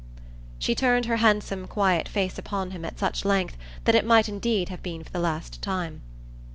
She turned her handsome quiet face upon him at such length that it might indeed have been for the last time.